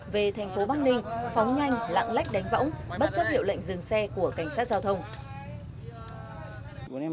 về thành phố bắc ninh phóng nhanh lạng lách đánh võng bất chấp hiệu lệnh dừng xe của cảnh sát giao thông